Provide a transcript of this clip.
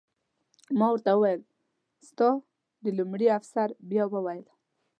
ما ورته وویل: ستا د... لومړي افسر بیا وویل.